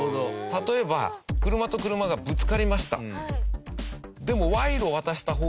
例えば車と車がぶつかりました。